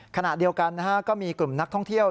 ขณะเดียวกันก็มีกลุ่มนักท่องเที่ยว